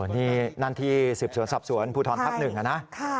นี่นันที่สิบสวนสับสวนภูทรพักหนึ่งนะ